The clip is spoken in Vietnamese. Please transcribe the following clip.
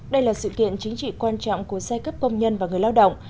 đây là sự kiện chính trị quan trọng của giai cấp công nhân và người lao động